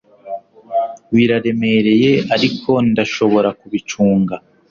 Biraremereye ariko ndashobora kubicunga